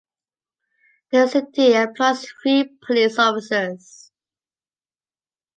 The city employs three police officers.